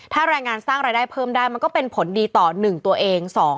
ถ้าแรงงานสร้างรายได้เพิ่มได้มันก็เป็นผลดีต่อ๑ตัวเอง